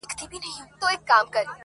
بیا د صمد خان او پاچاخان حماسه ولیکه-